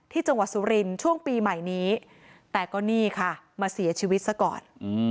จังหวัดสุรินทร์ช่วงปีใหม่นี้แต่ก็นี่ค่ะมาเสียชีวิตซะก่อน